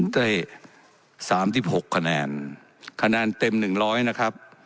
ได้๓๖คะแนนคะแนนเต็ม๑๐๐นะครับ